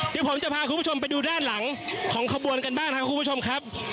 เดี๋ยวผมจะพาคุณผู้ชมไปดูด้านหลังของขบวนกันบ้างครับคุณผู้ชมครับ